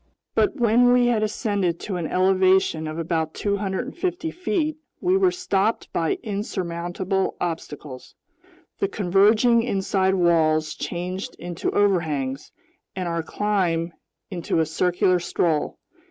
But when we had ascended to an elevation of about 250 feet, we were stopped by insurmountable obstacles. The converging inside walls changed into overhangs, and our climb into a circular stroll.